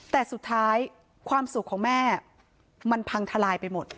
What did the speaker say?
แต่สุดท้ายความสุขของแม่มันพังทลายไปหมด